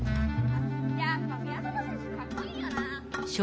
やっぱ宮園せんしゅかっこいいよな！